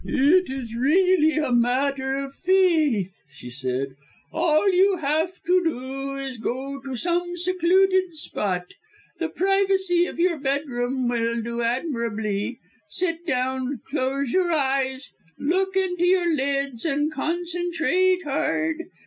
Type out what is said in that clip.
"It is really a matter of faith," she said. "All you have to do is to go to some secluded spot the privacy of your bedroom will do admirably sit down, close your eyes, look into your lids and concentrate hard.